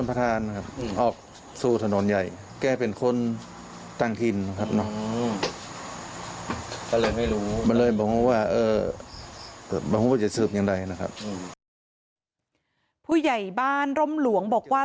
ผู้ใหญ่บ้านร่มหลวงบอกว่าตอนแรกก็ไม่ได้สงสัยเอะใจอะไร